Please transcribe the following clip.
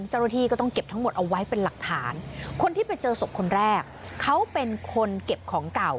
เจ้าหน้าที่ก็ต้องเก็บทั้งหมดเอาไว้เป็นหลักฐานคนที่ไปเจอศพคนแรกเขาเป็นคนเก็บของเก่า